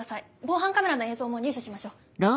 防犯カメラの映像も入手しましょう。